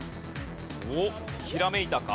おっひらめいたか？